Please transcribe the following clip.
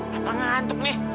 kenapa ngantuk nih